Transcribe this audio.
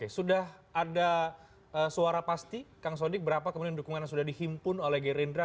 sudah ada suara pasti kang sodik berapa kemudian dukungan yang sudah dihimpun oleh gerindra